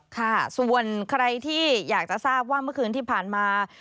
ค่ะส่วนใครที่อยากจะทราบว่าเมื่อคืนที่ผ่านมา